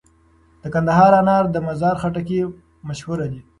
د کندهار انار او د مزار خټکي مشهور دي.